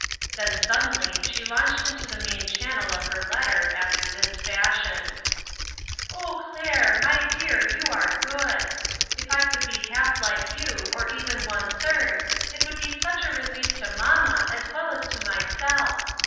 Then suddenly she launched into the main channel of her let ter after this fashion :" Oh, Claire, my dear, you are good ! If I could be half like you, or even one third, it would be such a relief to mamma as well as to myself.